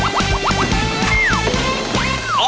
อบจ